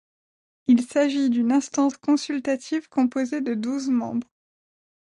Il s'agit d'une instance consultative composée de douze membres.